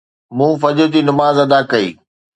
مون فجر جي نماز ادا ڪئي